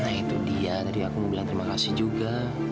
nah itu dia tadi aku mau bilang terima kasih juga